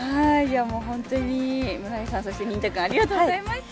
本当に村井さんそしてにんた君ありがとうございました！